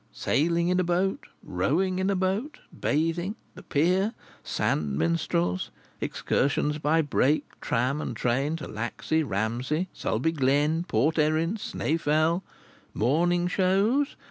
Sailing in a boat! Rowing in a boat! Bathing! The Pier! Sand minstrels! Excursions by brake, tram and train to Laxey, Ramsey, Sulby Glen, Port Erin, Snaefell! Morning shows!